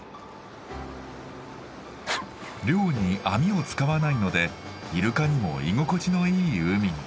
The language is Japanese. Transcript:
漁に網を使わないのでイルカにも居心地のいい海に。